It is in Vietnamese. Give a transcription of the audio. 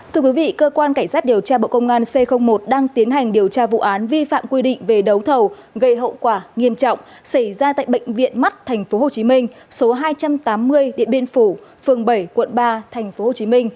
thưa quý vị cơ quan cảnh sát điều tra bộ công an c một đang tiến hành điều tra vụ án vi phạm quy định về đấu thầu gây hậu quả nghiêm trọng xảy ra tại bệnh viện mắt tp hcm số hai trăm tám mươi địa biên phủ phường bảy quận ba tp hcm